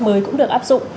mới cũng được áp dụng